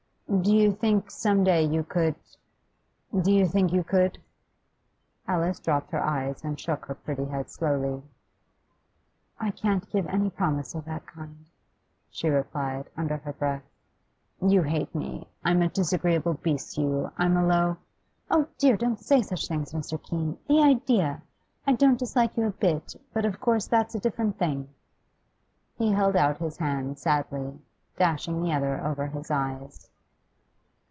Do you think some day you could do you think you could?' Alice dropped her eyes and shook her pretty head slowly. 'I can't give any promise of that kind,' she replied under her breath. 'You hate me? I'm a disagreeable beast to you? I'm a low ' 'Oh dear, don't say such things, Mr. Keene! The idea! I don't dislike you a bit; but of course that's a different thing ' He held out his hand sadly, dashing the other over his eyes.